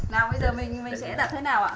nào bây giờ mình sẽ đặt thế nào ạ